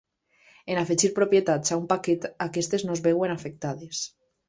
En afegir propietats a un paquet, aquestes no es veuen afectades.